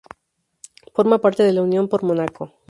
Forma parte de la Unión por Mónaco.